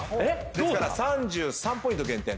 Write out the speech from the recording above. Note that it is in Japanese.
ですから３３ポイント減点。